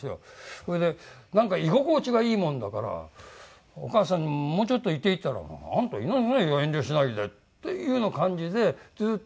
それでなんか居心地がいいもんだから「お母さんもうちょっといていい？」って言ったら「あんたいなさいよ遠慮しないで」っていうような感じでずっといて。